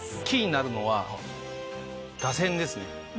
キーになるのは、打線ですね。